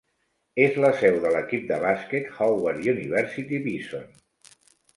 És la seu de l'equip de bàsquet Howard University Bison.